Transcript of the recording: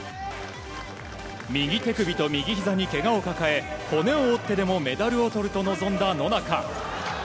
右手首と右ひざにけがを抱え骨を折ってでもメダルをとると臨んだ野中。